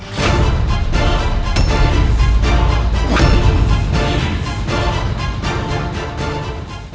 kau tidak akan mencintai orang yang busuk seperti dirimu